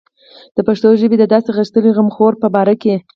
د پښتو ژبې د داسې غښتلي غمخور په باره کې.